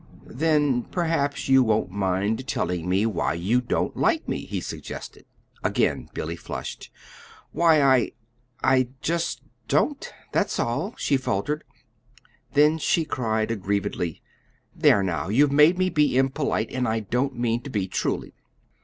Then perhaps you won't mind telling me why you don't like me," he suggested. Again Billy flushed. "Why, I I just don't; that's all," she faltered. Then she cried aggrievedly: "There, now! you've made me be impolite; and I didn't mean to be, truly."